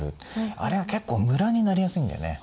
あれが結構ムラになりやすいんだよね。